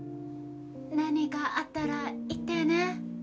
何かあったら言ってね。